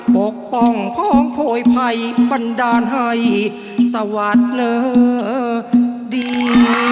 ปกป้องพ้องโผยไพรปันดาลให้สวัสดี